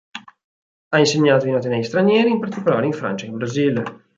Ha insegnato in atenei stranieri, in particolare in Francia e in Brasile.